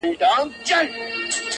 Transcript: د غلا په جرم به باچاصاحب محترم نيسې”